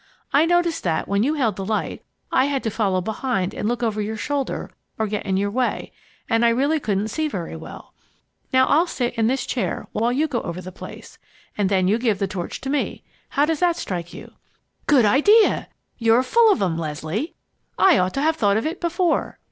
I noticed that, when you held the light, I had to follow behind and look over your shoulder or get in your way, and I really couldn't see very well. Now, I'll sit in this chair while you go over the place, and then you give the torch to me. How does that strike you?" "Good idea! You're full of 'em, Leslie. I ought to have thought of it before."